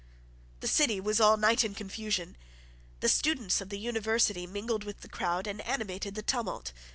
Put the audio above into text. The city was all night in confusion. The students of the University mingled with the crowd and animated the tumult.